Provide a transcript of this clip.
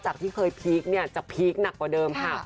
ที่เคยพีคเนี่ยจะพีคหนักกว่าเดิมค่ะ